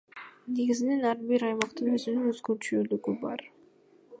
Негизинен ар бир аймактын өзүнүн өзгөчөлүгү бар.